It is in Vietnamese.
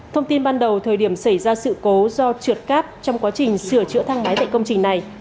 thông tin ban đầu thời điểm xảy ra sự cố do trượt cáp trong quá trình sửa chữa thang máy tại công trình này